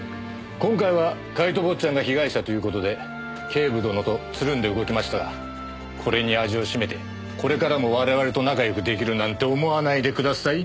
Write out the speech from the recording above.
今回はカイト坊ちゃんが被害者という事で警部殿とつるんで動きましたがこれに味をしめてこれからも我々と仲良く出来るなんて思わないでください。